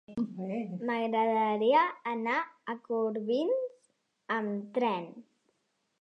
M'agradaria anar a Corbins amb tren.